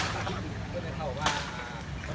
สวัสดีครับคุณผู้ชาย